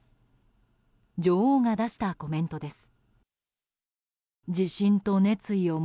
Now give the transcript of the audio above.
女王が出したコメントです。